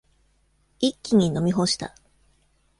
一気に飲み干した。